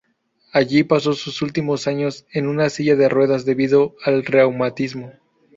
Allí pasó sus últimos años, en una silla de ruedas debido al reumatismo.